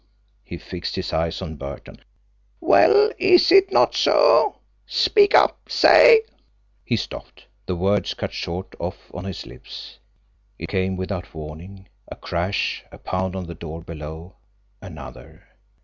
He fixed his eyes on Burton. "Well, is it not so? Speak up! Say " He stopped the words cut short off on his lips. It came without warning a crash, a pound on the door below another.